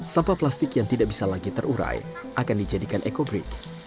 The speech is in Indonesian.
sampah plastik yang tidak bisa lagi terurai akan dijadikan ekobrik